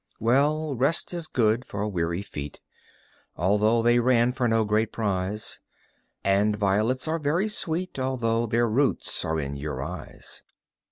Well, rest is good for weary feet, Although they ran for no great prize; And violets are very sweet, Although their roots are in your eyes.